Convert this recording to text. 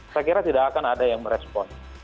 saya kira tidak akan ada yang merespon